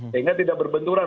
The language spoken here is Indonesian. sehingga tidak berbenturan